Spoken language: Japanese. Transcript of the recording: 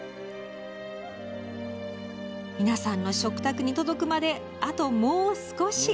皆さんの食卓に届くまであと、もう少し。